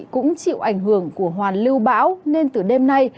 cũng chịu ảnh hưởng của hoàn lưu bão nên từ đêm nay